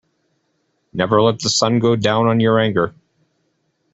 Never let the sun go down on your anger.